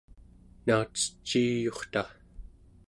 nauceciiyurta